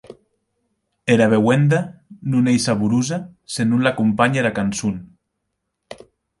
Era beuenda non ei saborosa se non l’acompanhe era cançon.